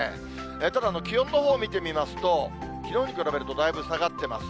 ただ、気温のほう見てみますと、きのうに比べるとだいぶ下がってます。